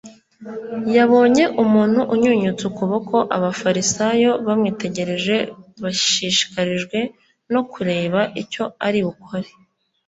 yabonyemo umuntu unyunyutse ukuboko abafarisayo bamwitegereje bashishikajwe no kureba icyo ari bukore